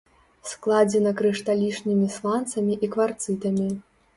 Складзена крышталічнымі сланцамі і кварцытамі.